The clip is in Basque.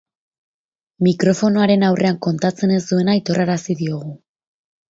Mikrofonoaren aurrean kontatzen ez duena aitorrarazi diogu.